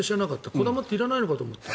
こだまはいらないのかと思ってた。